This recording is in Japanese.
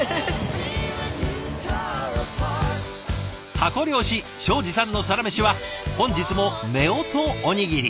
タコ漁師庄司さんのサラメシは本日もめおとおにぎり。